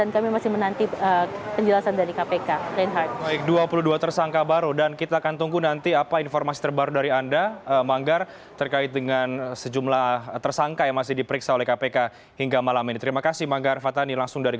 dan kami masih menanti penjelasan dari kpk reinhardt